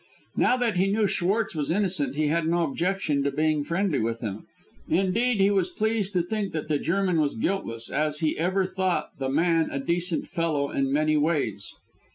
Now that he knew Schwartz was innocent he had no objection to being friendly with him; indeed, he was pleased to think that the German was guiltless, as he ever thought the man a decent fellow in many ways.